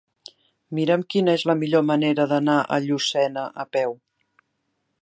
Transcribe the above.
Mira'm quina és la millor manera d'anar a Llucena a peu.